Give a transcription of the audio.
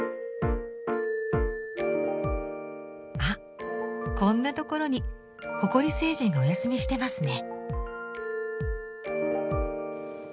あっこんなところに埃星人がおやすみしてますね！